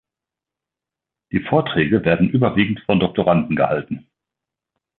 Die Vorträge werden überwiegend von Doktoranden gehalten.